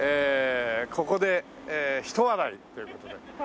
ここでひと笑いという事で。